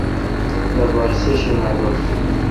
لوپارہ سیشمہ دوس